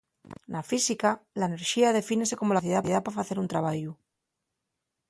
Na física, la enerxía defínese como la capacidá pa facer un trabayu.